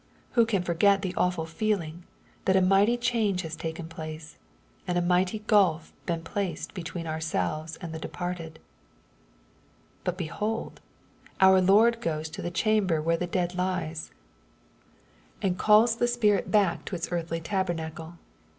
Who can forget the awful feeling, that a mighty change has taken place, and a mighty gulf been placed between ourselves and the departed ? But behold 1 our Lord goes to the chamber where the dead lies, and calls the spirit 90 EXPOSITOBT THOUGHTS. back to its earthly tabernacle.